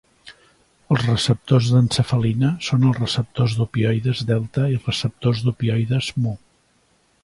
Els receptors d'encefalina són els receptors d'opioides delta i receptors d'opioides mu.